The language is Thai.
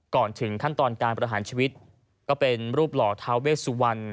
ก่อนถึงขั้นตอนการประหารชีวิตก็เป็นรูปหล่อท้าเวสวรรณ